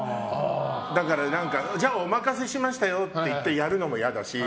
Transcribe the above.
だから、じゃあお任せしましたよって言ってやるのも嫌だし。